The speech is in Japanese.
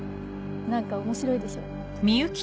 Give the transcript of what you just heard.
何か面白いでしょ。